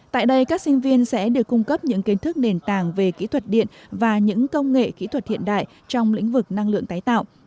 tại đây các sinh viên sẽ được cung cấp những kiến thức nền tảng về kỹ thuật điện và những công nghệ kỹ thuật hiện đại trong lĩnh vực năng lượng tái tạo